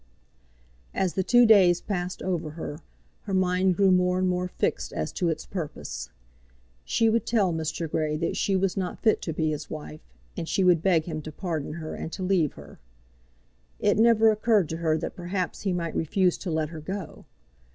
As the two days passed over her, her mind grew more and more fixed as to its purpose. She would tell Mr. Grey that she was not fit to be his wife and she would beg him to pardon her and to leave her. It never occurred to her that perhaps he might refuse to let her go.